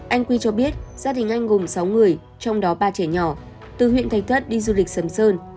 anh quy cho biết gia đình anh gồm sáu người trong đó ba trẻ nhỏ từ huyện thạch thất đi du lịch sầm sơn